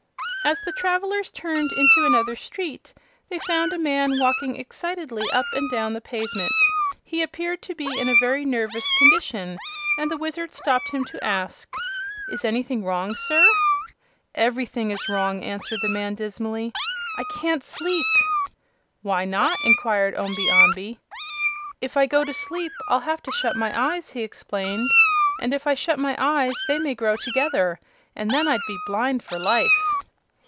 As the travelers turned into another street they found a man walking excitedly up and down the pavement. He appeared to be in a very nervous condition and the Wizard stopped him to ask: "Is anything wrong, sir?" "Everything is wrong," answered the man, dismally. "I can't sleep." "Why not?" inquired Omby Amby. "If I go to sleep I'll have to shut my eyes," he explained; "and if I shut my eyes they may grow together, and then I'd be blind for life!"